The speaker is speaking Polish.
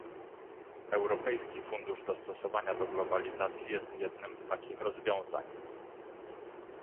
Europejski fundusz dostosowania do globalizacji jest jednym z takich rozwiązań